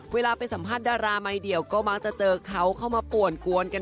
เวลาไปสัมภาษณ์ดารามัยเดียวก็มักจะเจอเขาเข้ามาป่วนกวนกัน